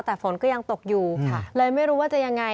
แต่ฝนก็ยังตกอยู่เลยไม่รู้ว่าจะยังไง